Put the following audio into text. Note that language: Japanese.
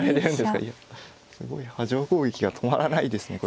すごい波状攻撃が止まらないですね